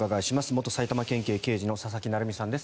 元埼玉県警刑事の佐々木成三さんです。